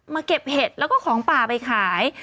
เก็บเห็ดแล้วก็ของป่าไปขาย